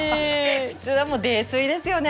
普通はもう泥酔ですよね